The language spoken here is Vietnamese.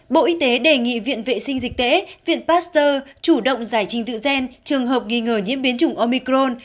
bộ y tế đề nghị viện vệ sinh dịch tễ viện pasteur chủ động giải trình tự gen trường hợp nghi ngờ nhiễm biến chủng omicron